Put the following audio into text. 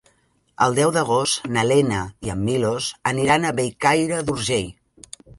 El deu d'agost na Lena i en Milos aniran a Bellcaire d'Urgell.